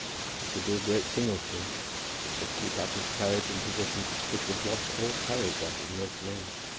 He could do a great thing or two. He could keep up his courage in positions which would wash all courage out of most men.